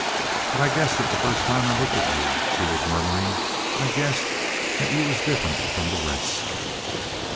"But I guessed it the first time I looked at you," she was murmuring. "I guessed that you was different from the rest."